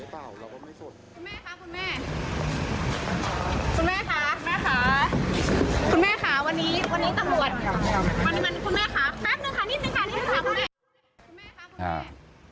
คุณแม่คะคุณแม่ค่ะวันนี้ตำรวจ